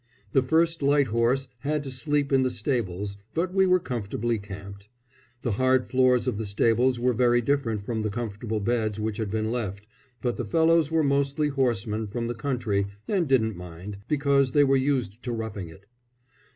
The 1st Light Horse had to sleep in the stables; but we were comfortably camped. The hard floors of the stables were very different from the comfortable beds which had been left; but the fellows were mostly horsemen from the country and didn't mind, because they were used to roughing it.